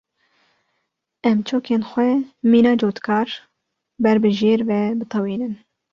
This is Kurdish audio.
Em çokên xwe mîna cotkar ber bi jêr ve bitewînin.